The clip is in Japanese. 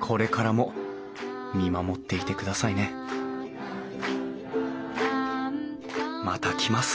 これからも見守っていてくださいねまた来ます